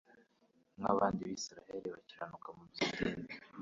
Nk'abandi BIsiraheli bakiranuka mu by'idini,